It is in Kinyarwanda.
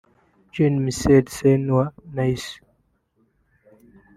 Jean Michel Seri wa Nice